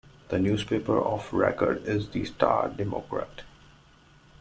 The newspaper of record is The Star Democrat.